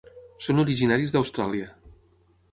Són originaris d'Austràlia.